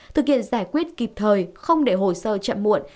thực hiện giải quyết kịp thời không để hồ sơ chậm muộn